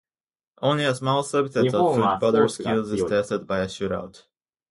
Only a small subset of a footballer's skills is tested by a shoot-out.